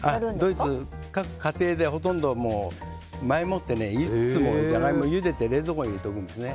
ドイツでは各家庭でほとんど前もってジャガイモをゆでて冷蔵庫に入れておくんですね。